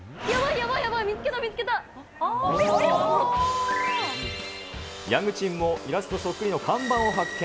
やばい、やばい、見つけた、ヤングチームもイラストそっくりの看板を発見。